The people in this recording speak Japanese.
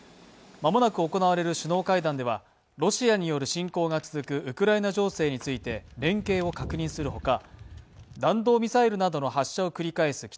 間もなく行われる首脳会談ではロシアによる侵攻が続くウクライナ情勢について連携を確認するほか、弾道ミサイルなどの発射を繰り返す